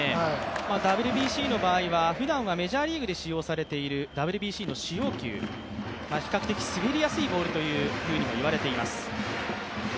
ＷＢＣの場合はふだんはＷＢＣで使用されているＷＢＣの使用球、比較的、滑りやすいボールともいわれています。